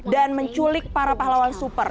dan menculik para pahlawan super